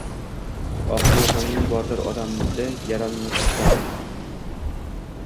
Oxiri yoʻqligʻing bordir, odamdanmi yaralmishsan?